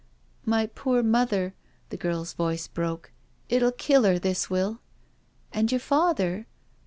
" My poor mother. .•." The girl's voice broke. " It'll kill 'er, this will." "And your father?"